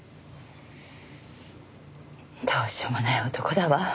どうしようもない男だわ。